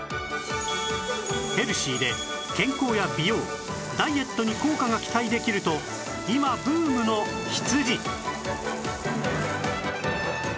ヘルシーで健康や美容ダイエットに効果が期待できると今ブームの羊